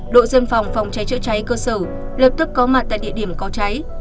đội dân phòng phòng cháy chữa cháy cơ sở lập tức có mặt tại địa điểm có cháy